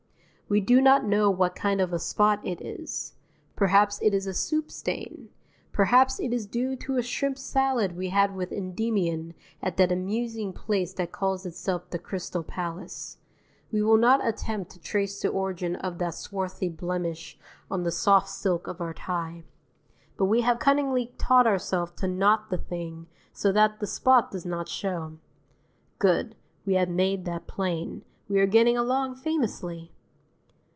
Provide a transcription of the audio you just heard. We do not know what kind of a spot it is; perhaps it is a soup stain, perhaps it is due to a shrimp salad we had with Endymion at that amusing place that calls itself the Crystal Palace; we will not attempt to trace the origin of that swarthy blemish on the soft silk of our tie; but we have cunningly taught ourself to knot the thing so that the spot does not show. (Good, we have made that plain: we are getting along famously.)